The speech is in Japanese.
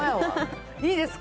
いいですか？